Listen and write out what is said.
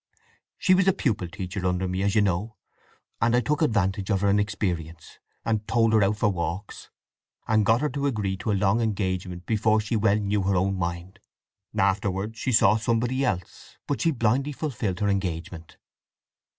She was a pupil teacher under me, as you know, and I took advantage of her inexperience, and toled her out for walks, and got her to agree to a long engagement before she well knew her own mind. Afterwards she saw somebody else, but she blindly fulfilled her engagement."